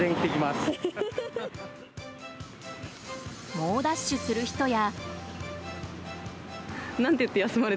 猛ダッシュする人や。